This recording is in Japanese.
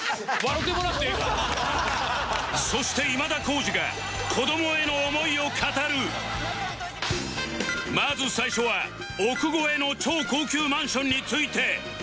そして今田耕司がまず最初は億超えの超高級マンションについて